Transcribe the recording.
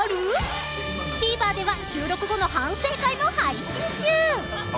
［ＴＶｅｒでは収録後の反省会も配信中］